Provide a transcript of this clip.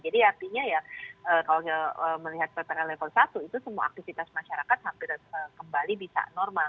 jadi artinya ya kalau melihat ppkm level satu itu semua aktivitas masyarakat hampir kembali bisa normal